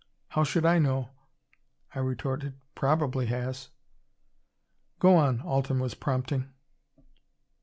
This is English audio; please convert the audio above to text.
"How should I know?" I retorted. "Probably has." "Go on," Alten was prompting.